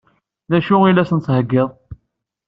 D acu i la sent-d-tettheggiḍ?